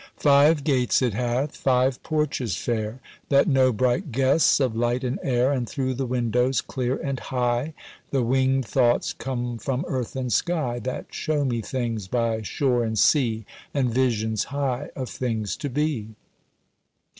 Five gates it hath, five porches fair, That know bright guests of light and air, And through the windows, clear and high, The winged thoughts come from earth and sky That show me things by shore and sea, And visions high of things to be.